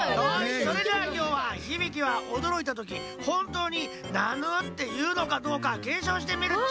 それじゃあきょうはヒビキはおどろいたときほんとうに「なぬ！」って言うのかどうかけんしょうしてみるっち！